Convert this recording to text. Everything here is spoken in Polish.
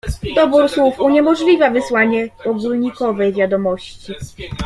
"Dobór słów uniemożliwia wysłanie ogólnikowej wiadomości."